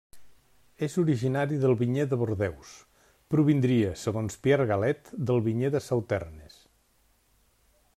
És originari del vinyer de Bordeus; provindria, segons Pierre Galet, del vinyer de Sauternes.